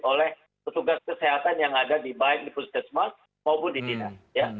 oleh petugas kesehatan yang ada di baik di puskesmas maupun di dinas